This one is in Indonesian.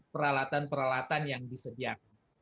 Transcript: peralatan peralatan yang disediakan